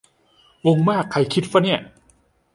งงมาก ใครคิดฟะเนี่ย